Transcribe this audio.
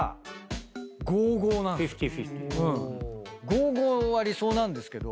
５・５は理想なんですけど。